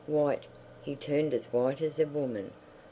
White! he turned as white as a woman.